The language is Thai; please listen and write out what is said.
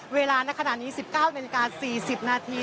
เวลาน่ะขนาดนี้๑๙นาที๔๐นาที